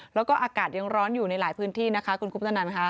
แล้วก็อากาศยังร้อนอยู่ในหลายพื้นที่นะคะคุณคุปตนันค่ะ